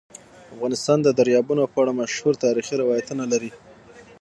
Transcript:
افغانستان د دریابونه په اړه مشهور تاریخی روایتونه لري.